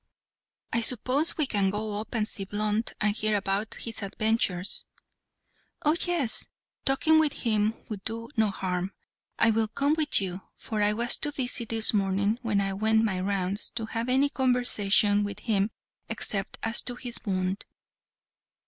"I suppose we can go up and see Blunt, and hear about his adventures?" "Oh, yes, talking will do him no harm. I will come with you, for I was too busy this morning, when I went my rounds, to have any conversation with him except as to his wound."